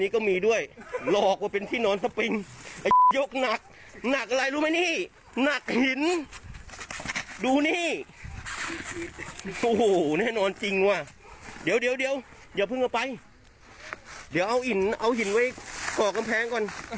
เดี๋ยวเอาหินเอาหินไว้ก่อกำแพงก่อน